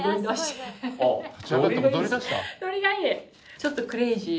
ちょっとクレイジー。